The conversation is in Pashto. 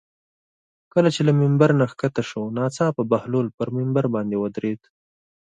کله چې له ممبر نه ښکته شو ناڅاپه بهلول پر ممبر باندې ودرېد.